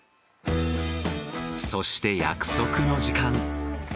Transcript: そして約束の時間。